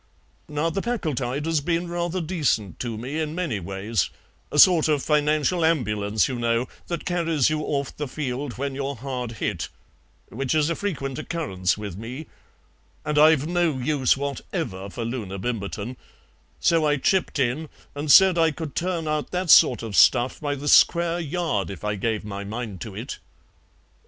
Now the Packletide has been rather decent to me in many ways, a sort of financial ambulance, you know, that carries you off the field when you're hard hit, which is a frequent occurrence with me, and I've no use whatever for Loona Bimberton, so I chipped in and said I could turn out that sort of stuff by the square yard if I gave my mind to it.